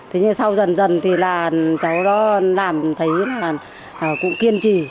thế nhưng sau dần dần thì là cháu nó làm thấy là cũng kiên trì